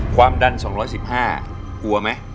ความดัน๒๑๕กลัวไหม